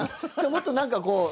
もっと何かこう。